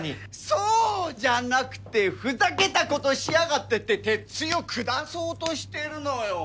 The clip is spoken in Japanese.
そうじゃなくてふざけたことしやがってって鉄ついを下そうとしてるのよ。